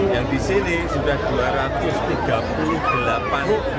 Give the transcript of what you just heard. jam satu sudah tertutup